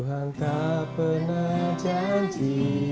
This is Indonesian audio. tuhan tak pernah janji